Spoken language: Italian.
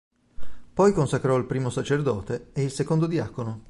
Poi consacrò il primo sacerdote e il secondo diacono.